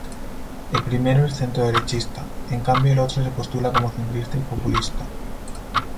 El primero es centro-derechista, en cambio el otro se postula como centrista y populista.